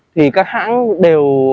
thì các hãng đều